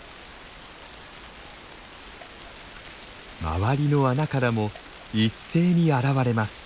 周りの穴からも一斉に現れます。